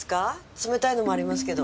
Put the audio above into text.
冷たいのもありますけど。